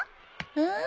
うん。